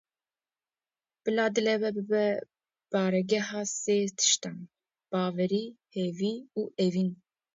Bila dilê we bibe baregeha sê tiştan; bawerî, hêvî û evîn.